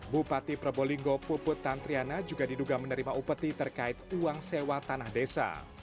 bupati probolinggo puput tantriana juga diduga menerima upeti terkait uang sewa tanah desa